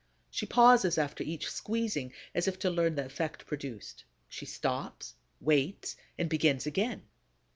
She pauses after each squeezing as if to learn the effect produced; she stops, waits, and begins again.